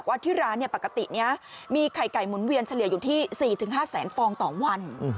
ที่ร้านปกตินี้มีไข่ไก่หมุนเวียนเฉลี่ยอยู่ที่๔๕แสนฟองต่อวัน